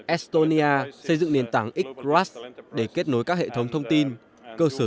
estonia xây dựng nền tảng x ras để kết nối các hệ thống thông tin cơ sở dữ liệu của các cơ quan nhà nước